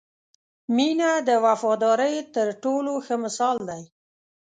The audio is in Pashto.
• مینه د وفادارۍ تر ټولو ښه مثال دی.